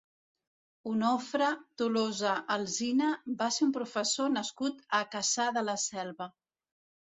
Onofre Tolosa Alsina va ser un professor nascut a Cassà de la Selva.